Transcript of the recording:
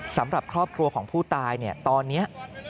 สำหรับครอบครัวของผู้ตายเนี่ยตอนนี้